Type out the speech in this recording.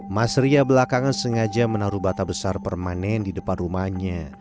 mas ria belakangan sengaja menaruh bata besar permanen di depan rumahnya